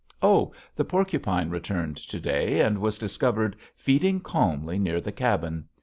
Oh! the porcupine returned to day and was discovered feeding calmly near the cabin.